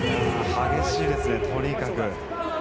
激しいですね、とにかく。